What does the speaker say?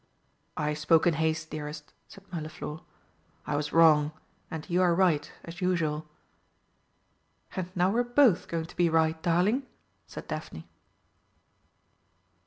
"I spoke in haste, dearest," said Mirliflor. "I was wrong, and you are right as usual." "And now we're both going to be right, darling!" said Daphne.